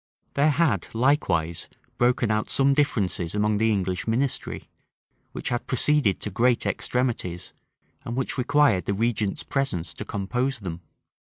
There had likewise broken out some differences among the English ministry, which had proceeded to great extremities, and which required the regent's presence to compose them.